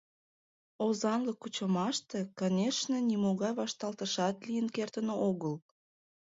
Озанлык кучымаште, конешне, нимогай вашталтышат лийын кертын огыл.